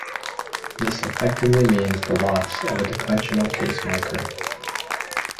This effectively means the loss of a declensional case marker.